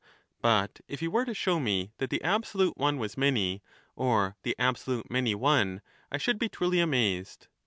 But if he were to show me that the absolute one was many, or the absolute many one, I should be truly amazed.